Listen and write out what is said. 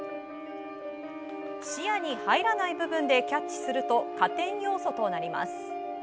視野に入らない部分でキャッチすると加点要素となります。